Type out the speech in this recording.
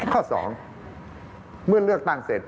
ข้อ๒เมื่อเลือกตั้งเสร็จ